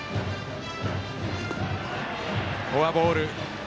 フォアボール。